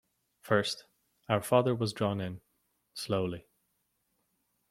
First, our father was drawn in — slowly.